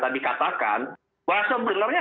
dikatakan bahwa sebenarnya